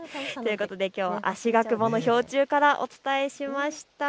きょうはあしがくぼの氷柱からお伝えしました。